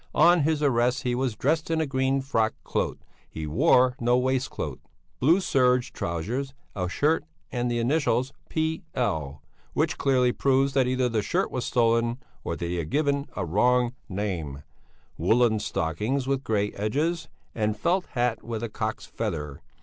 On his arrest he was dressed in a green frock coat he wore no waistcoat blue serge trousers, a shirt with the initials P.L. (which clearly proves that either the shirt was stolen or that he had given a wrong name), woollen stockings with grey edges, and a felt hat with a cock's feather.